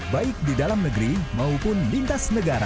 baik di dalam negeri maupun lintas negara